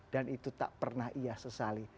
dan itu tak pernah ia sesali